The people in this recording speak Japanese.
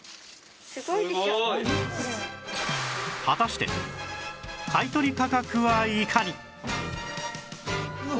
果たして買い取り価格はいかに？